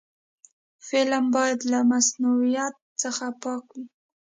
فلم باید له مصنوعیت څخه پاک وي